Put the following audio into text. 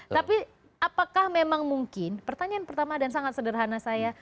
tapi apakah memang mungkin pertanyaan pertama dan sangat sederhana saya